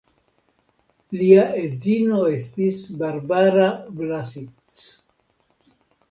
Lia edzino estis Barbara Vlasits.